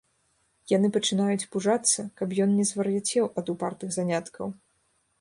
Яны пачынаюць пужацца, каб ён не звар'яцеў ад упартых заняткаў.